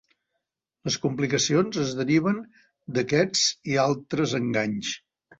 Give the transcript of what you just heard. Les complicacions es deriven d'aquests i altres enganys.